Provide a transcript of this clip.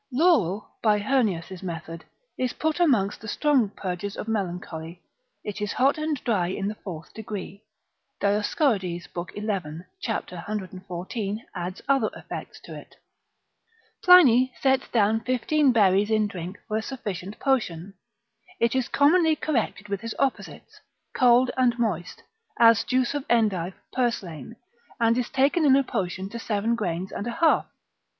Laurel, by Heurnius's method, ad prax. lib. 2. cap. 24. is put amongst the strong purgers of melancholy; it is hot and dry in the fourth degree. Dioscorides, lib. 11. cap. 114. adds other effects to it. Pliny sets down fifteen berries in drink for a sufficient potion: it is commonly corrected with his opposites, cold and moist, as juice of endive, purslane, and is taken in a potion to seven grains and a half.